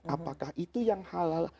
apakah itu yang halal